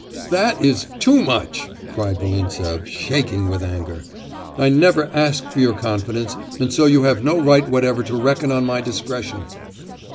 'That is too much!' cried Volintsev, shaking with anger, 'I never asked for your confidence; and so you have no right whatever to reckon on my discretion!